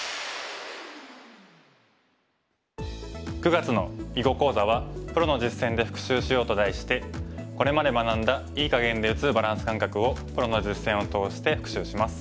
９月の囲碁講座は「プロの実戦で復習しよう」と題してこれまで学んだ“いい”かげんで打つバランス感覚をプロの実戦を通して復習します。